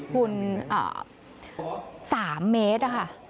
คุณ๓เมตรอะค่ะ